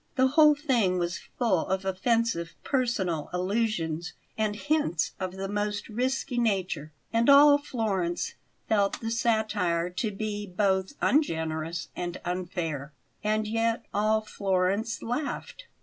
The whole thing was full of offensive personal allusions and hints of the most risky nature, and all Florence felt the satire to be both ungenerous and unfair. And yet all Florence laughed.